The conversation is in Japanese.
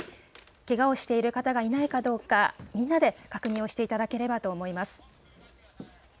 けがをしている方がいないかどうか、みんなで確認をしていただければと思います。